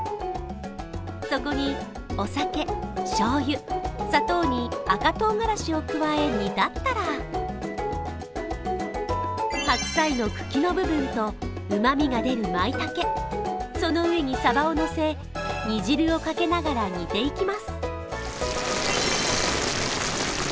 そこに、お酒、しょうゆ、砂糖に赤唐がらしを加え、煮立ったら白菜の茎の部分とうまみが出る舞茸、その上にさばをのせ煮汁をかけながら煮ていきます。